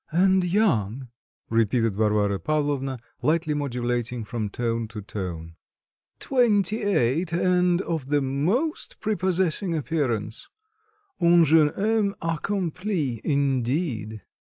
"And young?" repeated Varvara Pavlovna, lightly modulating from tone to tone. "Twenty eight, and of the most prepossessing appearance. Un jeune homme acompli, indeed."